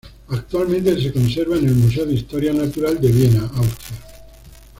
Actualmente se conserva en el Museo de Historia Natural de Viena, Austria.